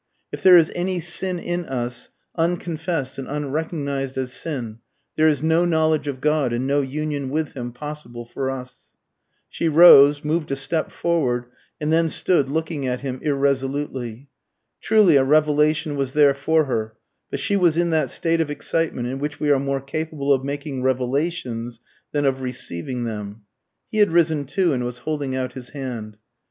If there is any sin in us, unconfessed and unrecognised as sin, there is no knowledge of God and no union with him possible for us." She rose, moved a step forward, and then stood looking at him irresolutely. Truly a revelation was there for her; but she was in that state of excitement in which we are more capable of making revelations than of receiving them. He had risen too, and was holding out his hand.